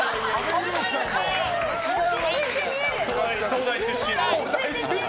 東大出身の。